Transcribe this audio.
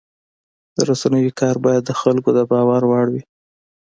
د رسنیو کار باید د خلکو د باور وړ وي.